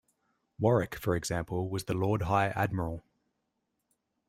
Warwick, for example, was the Lord High Admiral.